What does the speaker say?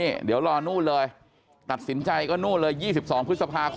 อย่าลืมผู้ว่ากรธมในครั้งนี้ไปเลือกตั้งกัน